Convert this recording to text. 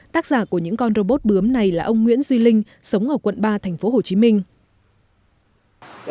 tác giả của những con robot bướm này là ông nguyễn duy linh sống ở quận ba thành phố hồ chí minh